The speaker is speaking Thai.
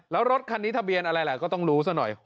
แล้วรถคันนี้ทะเบียนอะไรล่ะก็ต้องรู้ซะหน่อย